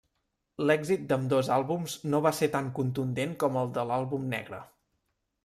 L'èxit d'ambdós àlbums no va ser tan contundent com el de l'àlbum negre.